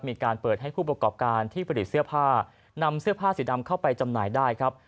มีการเปิดให้ผู้ประกอบการที่ผลิตเสื้อผ้านำเสื้อผ้าสีดำเข้าไปจำหน่ายได้ครับ